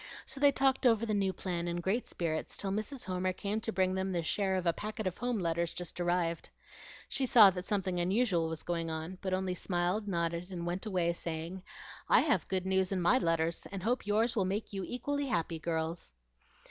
So they talked over the new plan in great spirits till Mrs. Homer came to bring them their share of a packet of home letters just arrived. She saw that something unusual was going on, but only smiled, nodded, and went away saying, "I have good news in MY letters, and hope yours will make you equally happy, girls."